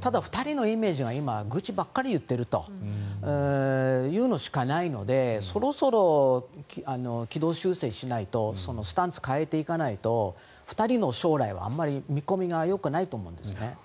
ただ、２人のイメージが今愚痴ばっかり言っているというのしかないのでそろそろ軌道修正しないとスタンスを変えていかないと２人の将来はあまり見込みがよくないと思うんですね。